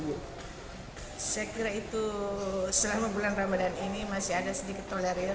saya kira itu selama bulan ramadhan ini masih ada sedikit toleran